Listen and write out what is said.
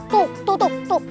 tuh tuh tuh